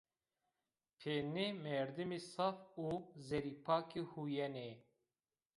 Pê nê merdimê saf û zerrîpakî huyenê